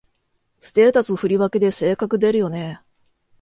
ステータス振り分けで性格出るよね